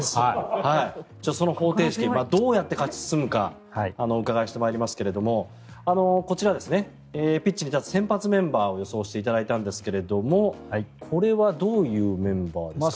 その方程式どうやって勝ち進むかお伺いしていきますがこちら、ピッチに立つ先発メンバーを予想していただいたんですがこれはどういうメンバーですか。